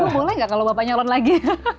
boleh nggak kalau bapak nyalon lagi